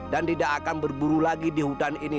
dan tidak akan berburu lagi di hutan ini